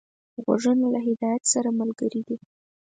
غوږونه له هدایت سره ملګري دي